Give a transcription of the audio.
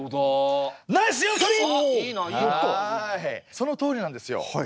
そのとおりなんですよ。